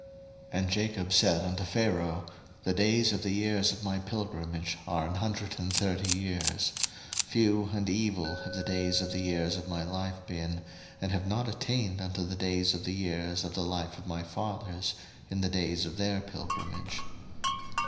01:047:009 And Jacob said unto Pharaoh, The days of the years of my pilgrimage are an hundred and thirty years: few and evil have the days of the years of my life been, and have not attained unto the days of the years of the life of my fathers in the days of their pilgrimage.